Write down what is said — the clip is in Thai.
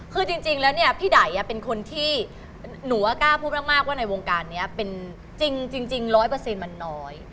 คือจริงแล้วเนี่ยพี่ไดเป็นคนที่หนูว่ากล้าพูดมากว่าในวงการนี้เป็นจริง๑๐๐มันน้อย